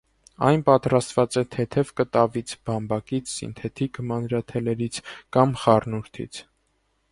Այն պատրաստված է թեթև կտավից, բամբակից, սինթետիկ մանրաթելերից կամ խառնուրդից։